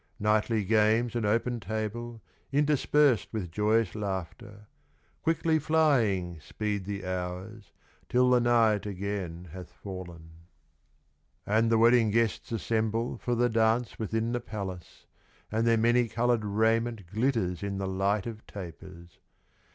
Knightly games and open table, Interspersed with joyous laughter, Quickly flying, speed the hours, Till the night again hath fallen. And the wedding guests assemble For the dance within the palace, And their many colored raiment Glitters in the light of tapers.